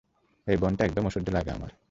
এই বনটা একদম অসহ্য লাগে আমার।